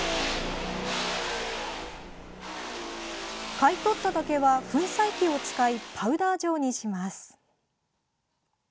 買い取った竹は粉砕機を使いパウダー状にします。